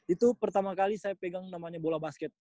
itu pertama kali saya pegang namanya bola basket